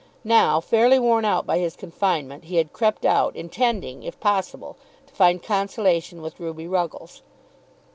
Now, fairly worn out by his confinement, he had crept out intending, if possible, to find consolation with Ruby Ruggles.